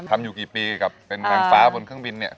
อยู่กี่ปีกับเป็นนางฟ้าบนเครื่องบินเนี่ย